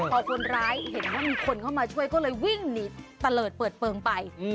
พอคนร้ายเห็นว่ามีคนเข้ามาช่วยก็เลยวิ่งหนีตะเลิศเปิดเปลืองไป